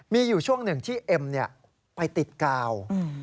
มีอยู่ช่วงหนึ่งที่เอ็มไปติดกาว